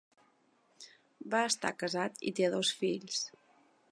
Va estar casat i té dos fills.